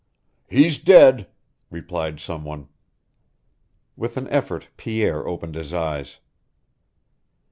"He's dead," replied some one. With an effort Pierre opened his eyes.